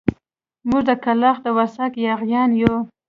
موږ د کلاخ د ورسک ياغيان يو.